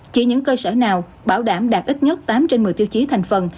chỉ những cơ sở nào bảo đảm đạt ít nhất tám trên một mươi tiêu chí thành phần